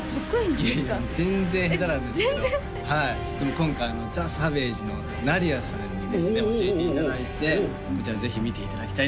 いやいや全然下手なんですけどでも今回ＴＨＥＳＡＶＡＧＥのＮＡＤｉＡさんにですね教えていただいてこちらぜひ見ていただきたいです